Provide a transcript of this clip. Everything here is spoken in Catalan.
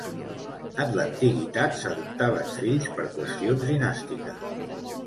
En l'antiguitat s'adoptaven fills per qüestions dinàstiques.